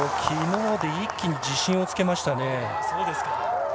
昨日で一気に自信をつけましたね。